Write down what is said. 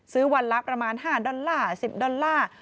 วันละประมาณ๕ดอลลาร์๑๐ดอลลาร์